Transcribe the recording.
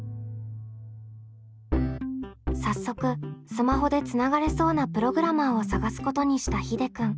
早速スマホでつながれそうなプログラマーを探すことにしたひでくん。